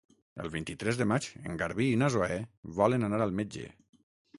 El vint-i-tres de maig en Garbí i na Zoè volen anar al metge.